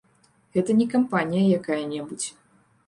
Гэта не кампанія якая-небудзь.